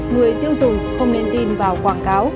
người tiêu dùng không nên tin vào quảng cáo